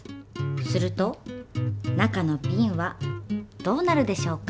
すると中のビンはどうなるでしょうか？